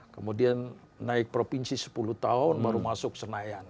kemudian naik provinsi sepuluh tahun baru masuk senayan